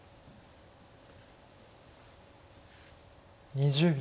２０秒。